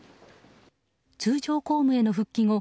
通常公務への復帰後